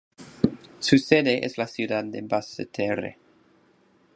Su sede es la ciudad de Basseterre.